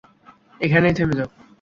এখানেই থেমে যাও!